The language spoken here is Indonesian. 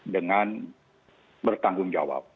dengan bertanggung jawab